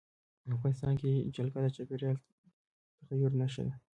افغانستان کې جلګه د چاپېریال د تغیر نښه ده.